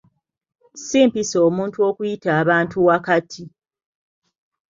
Si mpisa omuntu okuyita abantu wakati.